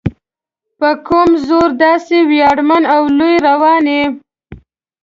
په کوم زور داسې ویاړمن او لوی روان یې؟